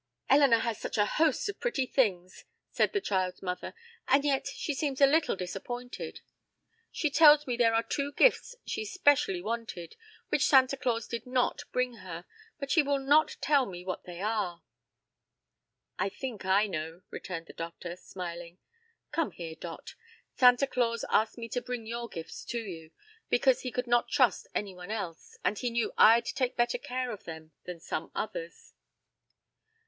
"Elinor has such a host of pretty things," said the child's mother, "and yet she seems a little disappointed. She tells me there are two gifts she specially wanted, which Santa Claus did not bring her, but she will not tell me what they are." "I think I know," returned the doctor, smiling. "Come here, Dot, Santa Claus asked me to bring your gifts to you, because he could not trust any one else, and he knew I'd take better care of them than some others."